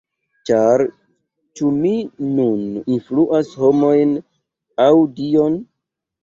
Ĉar ĉu mi nun influas homojn, aŭ Dion?